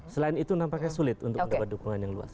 selain itu nampaknya sulit untuk mendapat dukungan yang luas